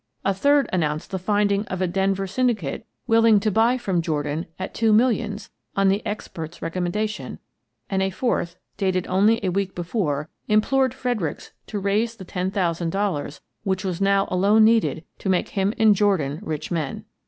A third announced the finding of a Denver syndicate willing to buy from Jordan at two millions on the expert's recommen dation, and a fourth, dated only a week before, implored Fredericks to raise the ten thousand dol lars which was now alone needed to make him and Jordan rich men.